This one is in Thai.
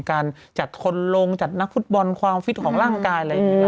การจัดทนลงจัดนักฟุตบอลความฟิตของร่างกายอะไรอย่างนี้